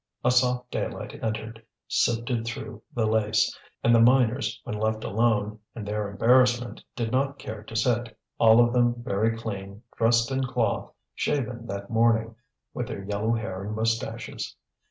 A soft daylight entered, sifted through the lace. And the miners, when left alone, in their embarrassment did not dare to sit; all of them very clean, dressed in cloth, shaven that morning, with their yellow hair and moustaches.